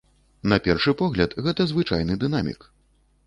На першы погляд гэта звычайны дынамік.